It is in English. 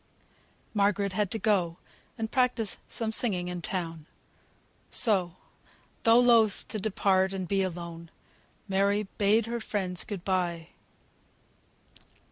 Margaret had to go and practise some singing in town; so, though loth to depart and be alone, Mary bade her friends good bye.